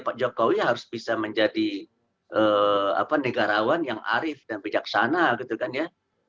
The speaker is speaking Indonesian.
pak jokowi harus bisa menjadi negarawan yang arif dan bijaksana gitu kan ya